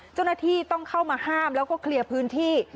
เจ้าหน้าที่ต้องเข้ามาห้ามแล้วก็เคลียร์พื้นที่